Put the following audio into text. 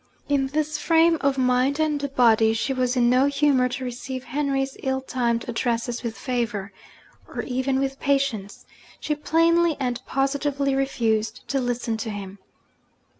In this frame of mind and body, she was in no humour to receive Henry's ill timed addresses with favour, or even with patience: she plainly and positively refused to listen to him.